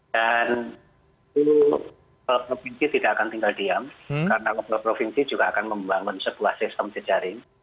dan kudus kawasan provinsi tidak akan tinggal diam karena kudus kawasan provinsi juga akan membangun sebuah sistem sejaring